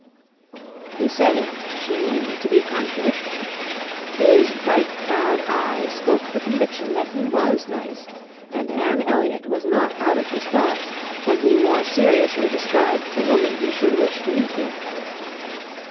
He said it, she knew, to be contradicted. His bright proud eye spoke the conviction that he was nice; and Anne Elliot was not out of his thoughts, when he more seriously described the woman he should wish to meet with.